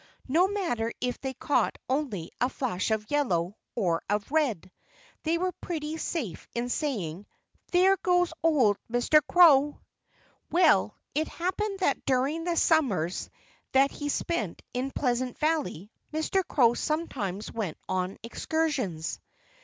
No matter if they caught only a flash of yellow or of red, they were pretty safe in saying, "There goes old Mr. Crow!" Well, it happened that during the summers that he spent in Pleasant Valley Mr. Crow sometimes went on excursions.